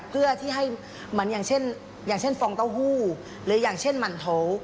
เพื่อที่ให้มันอย่างเช่นฟองเต้าหู้หรืออย่างเช่นหมั่นโถ้ว